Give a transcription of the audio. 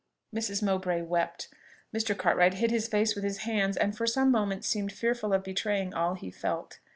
Mrs. Mowbray wept. Mr. Cartwright hid his face with his hands, and for some moments seemed fearful of betraying all he felt.